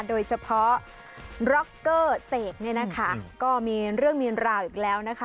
โดยเฉพาะร็อกเกอร์เสกเนี่ยนะคะก็มีเรื่องมีราวอีกแล้วนะคะ